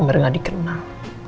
nomor gak dikenal